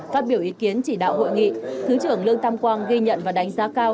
phát biểu ý kiến chỉ đạo hội nghị thứ trưởng lương tam quang ghi nhận và đánh giá cao